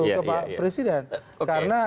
ke pak presiden karena